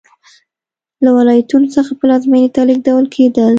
له ولایتونو څخه پلازمېنې ته لېږدول کېدل